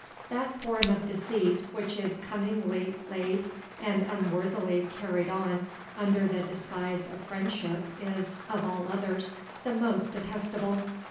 That form of deceit which is cunningly laid and unworthily carried on under the disguise of friendship is, of all others, the most detestable.